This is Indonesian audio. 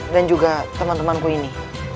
dan juga teman temanku ini